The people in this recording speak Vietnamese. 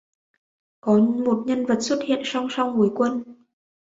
Có một nhân vật xuất hiện song song với Quân